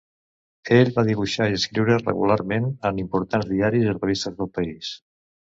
Ell va dibuixar i escriure regularment en importants diaris i revistes del país.